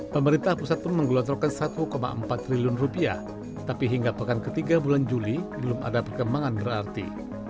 pemerintah pusat pun menggelontorkan rp satu empat triliun rupiah tapi hingga pekan ketiga bulan juli belum ada perkembangan berarti